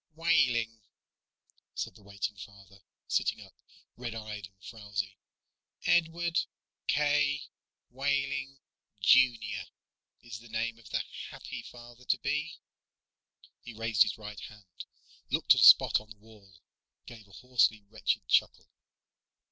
"Wehling," said the waiting father, sitting up, red eyed and frowzy. "Edward K. Wehling, Jr., is the name of the happy father to be." He raised his right hand, looked at a spot on the wall, gave a hoarsely wretched chuckle.